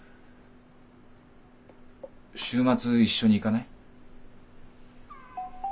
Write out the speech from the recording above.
週末一緒に行かない？